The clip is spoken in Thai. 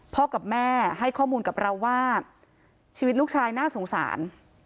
กับแม่ให้ข้อมูลกับเราว่าชีวิตลูกชายน่าสงสาร